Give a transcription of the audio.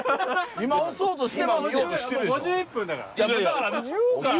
今押そうとしてますやん。